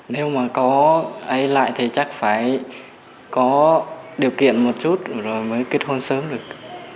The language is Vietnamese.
nếu mà có ai lại thì chắc phải có điều kiện một chút rồi mới kết hôn sớm được